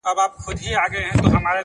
لويه گناه!